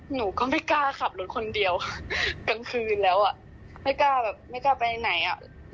หนูก็ไม่กล้าขับรถคนเดียวค่ะกลางคืนแล้วอ่ะไม่กล้าแบบไม่กล้าไปไหนอ่ะ